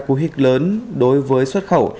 cú hịch lớn đối với xuất khẩu